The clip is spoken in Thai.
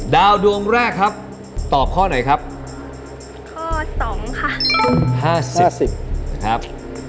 ดวงแรกครับตอบข้อไหนครับข้อสองค่ะห้าสิบครับ